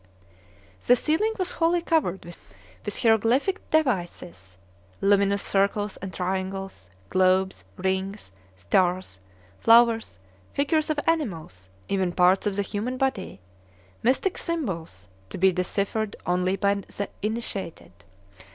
The ceiling was wholly covered with hieroglyphic devices, luminous circles and triangles, globes, rings, stars, flowers, figures of animals, even parts of the human body, mystic symbols, to be deciphered only by the initiated.